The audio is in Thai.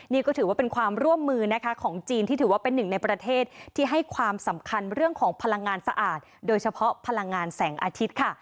นี่ก็ถือว่าเป็นความร่วมมือนะคะของจีนที่ถือว่าเป็นหนึ่งในประเทศที่ให้ความสำคัญเรื่องของพลังงานสะอาดโดยเฉพาะพลังงานแสงอาทิตย์ค่ะ